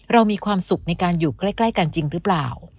เรามีความสุขในการอยู่ใกล้กันจริงหรือเปล่า